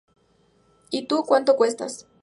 Y tú, cuánto cuestas?